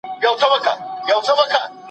ډیپلوماسي د تفاهم او خبرو اترو یو هنر دی.